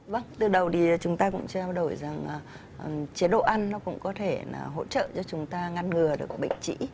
vâng từ đầu thì chúng ta cũng trao đổi rằng chế độ ăn nó cũng có thể là hỗ trợ cho chúng ta ngăn ngừa được các bệnh trĩ